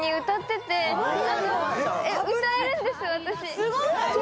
すごい！